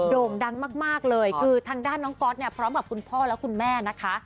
โด่งดังมากเลยคือทางด้านน้องก๊อตเนี่ยพร้อมกับคุณพ่อและคุณแม่นะคะ